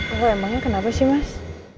aku emangnya kenapa sih mas